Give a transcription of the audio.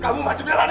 kamu masih belain dia